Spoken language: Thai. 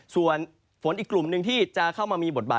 ส่วนฝนอีกกลุ่มหนึ่งที่จะเข้ามามีบทบาท